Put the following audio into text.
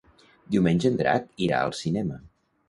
Diumenge en Drac irà al cinema.